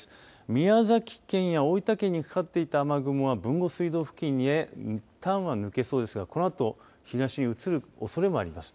宮崎県や大分県にかかっていた雨雲は豊後水道付近へいったんは抜けそうですがこのあと東へ移るおそれもあります。